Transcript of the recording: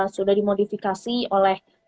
sudah dimodifikasi oleh